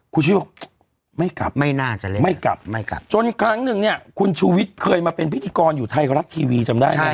คุณชุวิตไม่กลับไม่กลับจนครั้งนึงเนี่ยคุณชุวิตเคยมาเป็นพิธีกรอยู่ไทยกรัฐทีวีจำได้ไหม